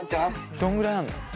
どんぐらいあんの？